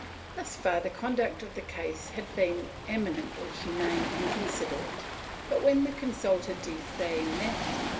Thus far the conduct of the case had been eminently humane and considerate, but when the consulta de fe met.